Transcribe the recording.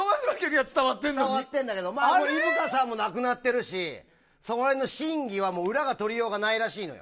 伝わってるんだけど井深さんも亡くなっているしそこら辺の審議は裏が取りようがないらしいのよ。